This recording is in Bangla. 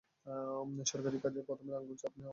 সরকারি কাজে হাতের আঙুলের ছাপ নেওয়ার প্রথম ব্যক্তি তিনি।